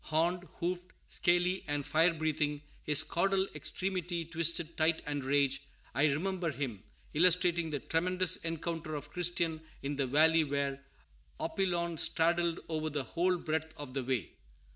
Horned, hoofed, scaly, and fire breathing, his caudal extremity twisted tight with rage, I remember him, illustrating the tremendous encounter of Christian in the valley where "Apollyon straddled over the whole breadth of the way."